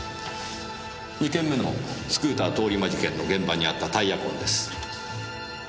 ２件目のスクーター通り魔事件の現場にあったタイヤ痕です。